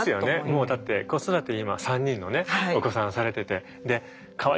もうだって子育て今３人のねお子さんされててでかわいいじゃないですか。